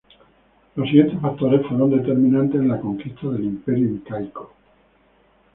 Los siguientes factores fueron determinantes en la conquista del imperio incaico.